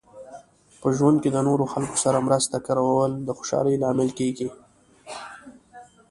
په ژوند کې د نورو خلکو سره مرسته کول د خوشحالۍ لامل کیږي.